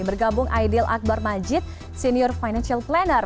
bergabung aidil akbar majid senior financial planner